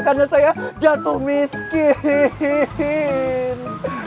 karena saya jatuh miskin